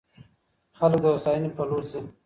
خلګ د هوساینې په لور ځي.